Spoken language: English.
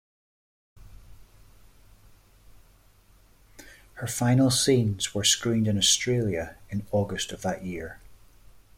Her final scenes were screened in Australia in August of that year.